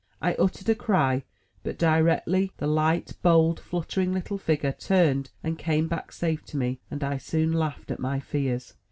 I uttered a cry, but directly the light, bold, fluttering little figure turned and came back safe to me, and I soon laughed at my fears.